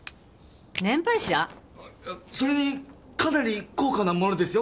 それにかなり高価なものですよこれ。